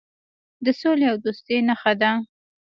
د سولې او دوستۍ نښه ده.